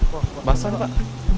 wah basah pak